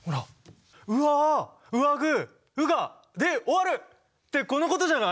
「うああ、うあぐ、うが、で終わる」ってこのことじゃない！？